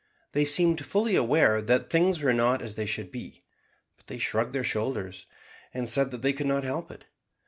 They seemed fully aware that things were not as they should be; but they shrugged their shoulders, and said that they could not help it.